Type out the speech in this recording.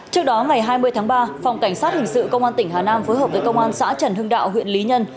trước đó ngày hai mươi tháng ba phòng cảnh sát hình sự công an tỉnh hà nam phối hợp với công an xã trần hưng đạo huyện lý nhân